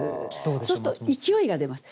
そうすると勢いが出ます。